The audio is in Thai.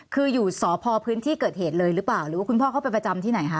คืออยู่สพพื้นที่เกิดเหตุเลยหรือเปล่าหรือว่าคุณพ่อเข้าไปประจำที่ไหนคะ